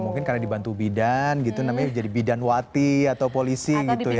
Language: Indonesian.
mungkin karena dibantu bidan gitu namanya menjadi bidan wati atau polisi gitu ya